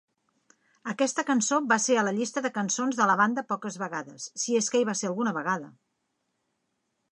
Aquesta cançó va ser a la llista de cançons de la banda poques vegades, si és que hi va ser alguna vegada.